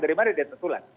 dari mana dia tertular